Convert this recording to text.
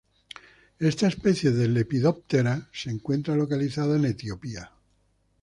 Esta especie de Lepidoptera se encuentra localizada en Etiopía.